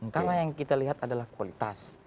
karena yang kita lihat adalah kualitas